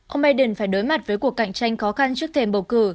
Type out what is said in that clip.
ông biden phải đối mặt với cuộc cạnh tranh khó khăn trước thềm bầu cử